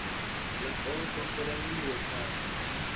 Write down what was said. Las hojas son perennes y dentadas.